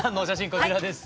こちらです。